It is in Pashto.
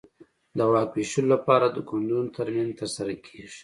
د واک وېشلو لپاره د ګوندونو ترمنځ ترسره کېږي.